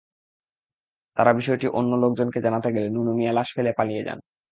তাঁরা বিষয়টি অন্য লোকজনকে জানাতে গেলে নুনু মিয়া লাশ ফেলে পালিয়ে যান।